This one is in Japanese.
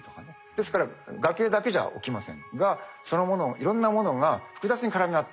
ですから崖だけじゃ起きませんがそのものいろんなものが複雑に絡み合ってる。